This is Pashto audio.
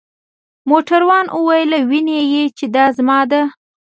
موټروان وویل: وینې يې؟ چې دا زما ده.